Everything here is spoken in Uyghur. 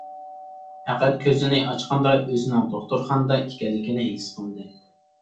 پەقەت كۆزىنى ئاچقاندا ئۆزىنىڭ دوختۇرخانىدا ئىكەنلىكىنى ھېس قىلدى.